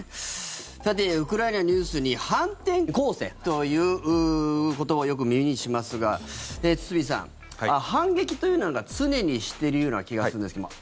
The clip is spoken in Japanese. さて、ウクライナのニュースに反転攻勢という言葉をよく耳にしますが堤さん、反撃というのは常にしてるような気がするんですけども。